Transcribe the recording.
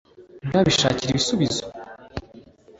rukabishakira ibisubizo